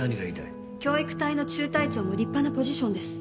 教育隊の中隊長も立派なポジションです。